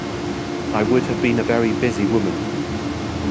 I would have been a very busy woman.